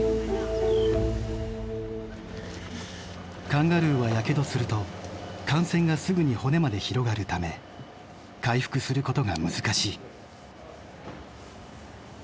カンガルーはやけどすると感染がすぐに骨まで広がるため回復することが難しい。